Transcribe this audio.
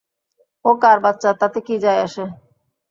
ও কার বাচ্চা তাতে কী যায় আসে?